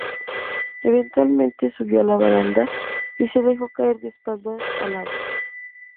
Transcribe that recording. Eventualmente, subió a la baranda y se dejó caer de espaldas al agua.